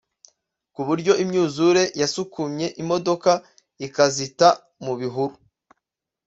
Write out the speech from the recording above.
ku buryo imyuzure yasakumye imodoka ikazita mu bihuru